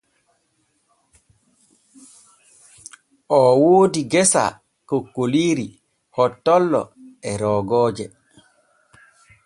Oo woodi gesa kokkoliiri, hottollo e roogooje.